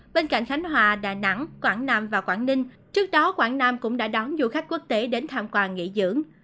bên cạnh khánh hòa đà nẵng quảng nam và quảng ninh trước đó quảng nam cũng đã đón du khách quốc tế đến tham quan nghỉ dưỡng